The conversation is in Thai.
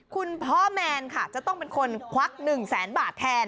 คุณแม่แมนค่ะจะต้องเป็นคนควัก๑แสนบาทแทน